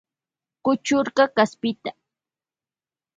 Kuchurka kaspita.